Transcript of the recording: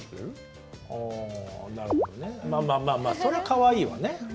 まあまあまあそりゃかわいいわね。